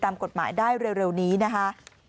ตามกฎหมายได้เร็วนี้นะคะ